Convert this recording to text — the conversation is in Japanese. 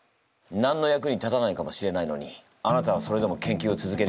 何の役に立たないかもしれないのにあなたはそれでも研究を続ける気なのか？